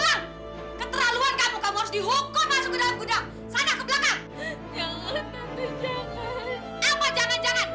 saya mampu hantar pak tante ke seribu sembilan ratus sembilan puluh tujuh